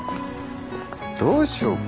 どうしようか？